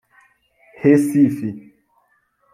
Recife